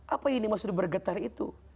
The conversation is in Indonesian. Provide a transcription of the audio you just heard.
apa ini maksudnya bergetar itu